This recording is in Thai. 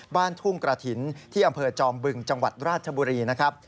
บ้านทุ่งกระถิ่นที่อำเภอจอมบึงจังหวัดราชบุรีนะครับ